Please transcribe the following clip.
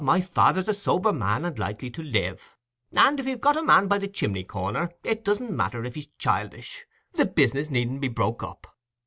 my father's a sober man and likely to live; and if you've got a man by the chimney corner, it doesn't matter if he's childish—the business needn't be broke up."